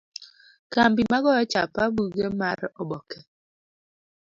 Kambi ma goyo chapa buge mar oboke.